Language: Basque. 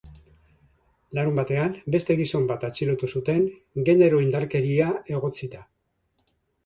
Larunbatean beste gizon bat atxilotu zuten, genero-indarkeria egotzita.